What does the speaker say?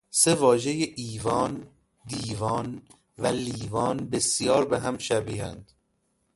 سه واژهٔ ایوان، دیوان و لیوان بسیار به هم شبیهاند